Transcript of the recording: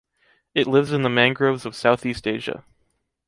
It lives in the mangroves of Southeast Asia.